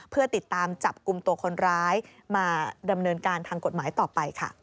เพื่อติดตามจับกลุ่มตัวคนร้ายมาดำเนินการทางกฎหมายต่อไปค่ะ